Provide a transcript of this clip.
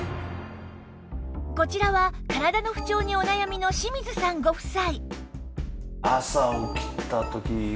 こちらは体の不調にお悩みの清水さんご夫妻